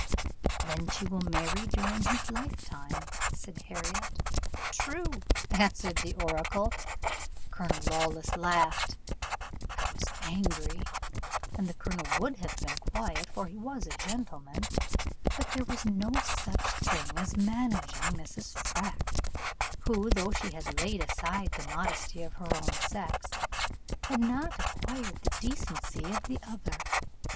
'Then she will marry during his lifetime,' said Harriot. 'True,' answered the oracle. Colonel Lawless laughed; I was angry; and the colonel would have been quiet, for he was a gentleman, but there was no such thing as managing Mrs. Freke, who, though she had laid aside the modesty of her own sex, had not acquired the decency of the other.